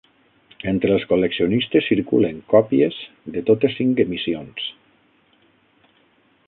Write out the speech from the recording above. Entre els col·leccionistes circulen còpies de totes cinc emissions.